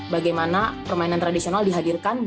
bagaimana permainan tradisional dihadirkan